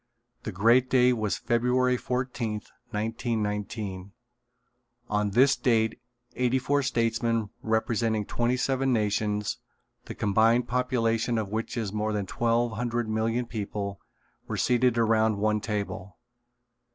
The great day was February fourteenth, 1919. On this date eighty four statesmen representing twenty seven nations, the combined population of which is more than twelve hundred million people, were seated around one table.